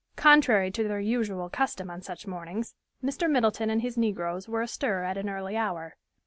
Contrary to their usual custom on such mornings, Mr. Middleton and his negroes were astir at an early hour.